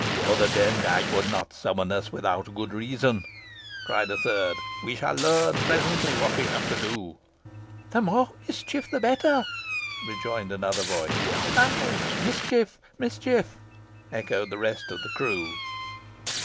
"Mother Demdike would not summon us without good reason," cried a third. "We shall learn presently what we have to do." "The more mischief the better," rejoined another voice. "Ay, mischief! mischief! mischief!" echoed the rest of the crew.